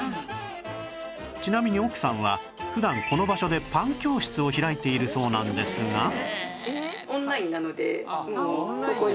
ちなみに奥さんは普段この場所でパン教室を開いているそうなんですが